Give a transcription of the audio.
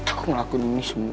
aku ngelakuin ini semua